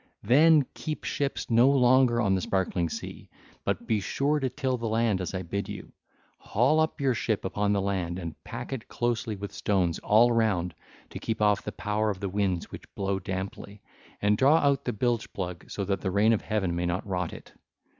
Then keep ships no longer on the sparkling sea, but bethink you to till the land as I bid you. Haul up your ship upon the land and pack it closely with stones all round to keep off the power of the winds which blow damply, and draw out the bilge plug so that the rain of heaven may not rot it.